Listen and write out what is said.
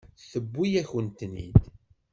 Tewwi-yakent-ten-id.